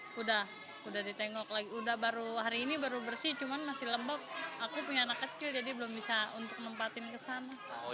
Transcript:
sudah ditengok lagi udah baru hari ini baru bersih cuman masih lembab aku punya anak kecil jadi belum bisa untuk nempatin ke sana